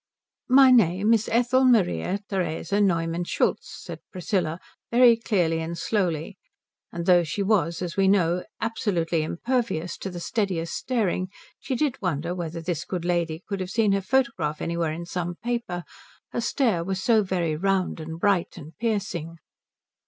"My name is Ethel Maria Theresa Neumann Schultz," said Priscilla, very clearly and slowly; and though she was, as we know, absolutely impervious to the steadiest staring, she did wonder whether this good lady could have seen her photograph anywhere in some paper, her stare was so very round and bright and piercing.